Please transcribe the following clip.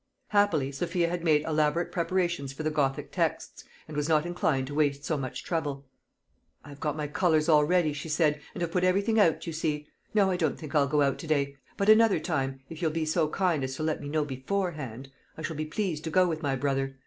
Happily Sophia had made elaborate preparations for the Gothic texts, and was not inclined to waste so much trouble. "I have got my colours all ready," she said, "and have put everything out, you see. No, I don't think I'll go to day. But another time, if you'll be so kind as to let me know beforehand, I shall be pleased to go with my brother.